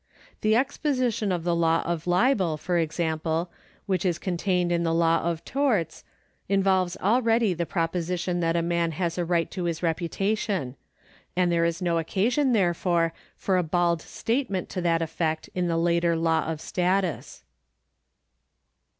The exposition of the law of libel, for example, which is contained in the law of torts, involves already the proposition that a man has a right to his reputation ; and there is no occasion, therefore, for a bald statement to that effect in the later law of status.